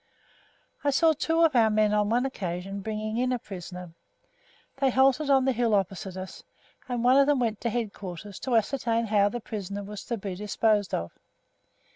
I saw two of our men on one occasion bringing in a prisoner. They halted on the hill opposite us, and one of them went to headquarters to ascertain how the prisoner was to be disposed of.